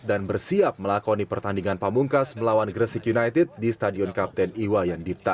dan bersiap melakoni pertandingan pamungkas melawan gresik united di stadion kapten iwa yandipta